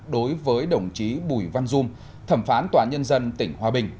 đối với đồng chí bùi văn dung thẩm phán tòa nhân dân tỉnh hòa bình